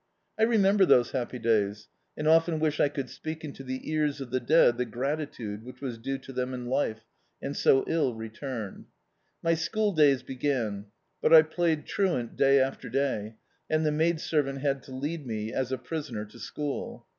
I remember those happy days, and often wish I could speak into the ears of the dead the grati tude which was due to them in life, and so ill returned. My school days began, but I played truant day after day, iad the maidservant had to lead me as a prisoner to school.